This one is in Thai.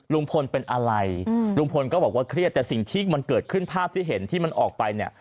ลุงพลเป็นอะไรลุงพลก็บอกว่าเครียดแต่สิ่งที่มันเกิดขึ้นภาพที่เห็นที่มันออกไปเนี่ย